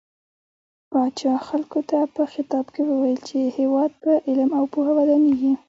پاچا خلکو ته په خطاب کې وويل چې هيواد په علم او پوهه ودانيږي .